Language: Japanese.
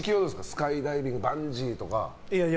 スカイダイビングバンジーとか。